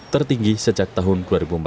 tertinggi sejak tahun dua ribu empat belas